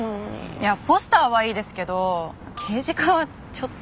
いやポスターはいいですけど刑事課はちょっと。